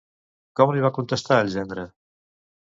Com li va contestar el gendre?